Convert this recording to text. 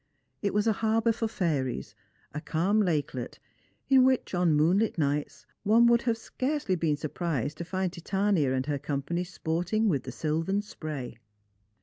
It was a harbour for fairies, a calm lakelet in which, on moonlit nights, one would have scarcely been surprised to find Titania and her company sporting with the silvern spray.